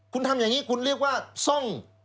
คุณทำอย่างนี้คุณเรียกว่าซ่อง